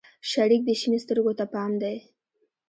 شريکه دې شين سترگو ته پام دى؟